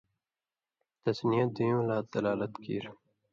تَثنِیَہ، دُیُوں لا دلالت کېر